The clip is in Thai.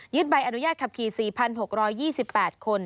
ใบอนุญาตขับขี่๔๖๒๘คน